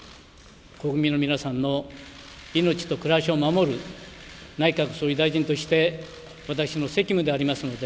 国民の皆さんの命と暮らしを守る、内閣総理大臣として、私の責務でありますので、